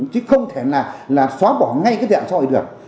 chứ không thể nào là xóa bỏ ngay cái tệ nạn xã hội được